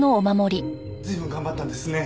随分頑張ったんですね。